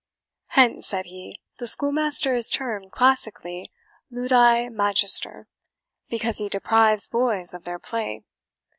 "Hence," said he, "the schoolmaster is termed, classically, LUDI MAGISTER, because he deprives boys of their play."